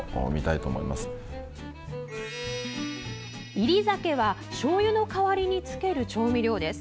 煎り酒は、しょうゆの代わりにつける調味料です。